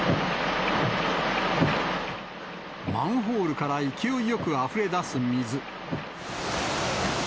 マンホールから勢いよくあふれ出す水。